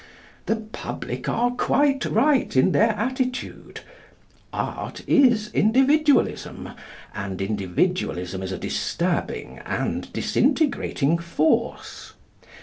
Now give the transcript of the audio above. The public are quite right in their attitude. Art is Individualism, and Individualism is a disturbing and disintegrating force.